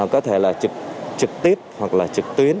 có thể là trực tiếp hoặc là trực tuyến